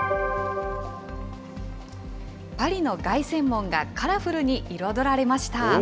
パリの凱旋門がカラフルに彩られました。